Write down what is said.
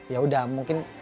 ya udah mungkin